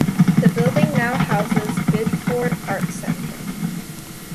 The building now houses Bideford Arts Centre.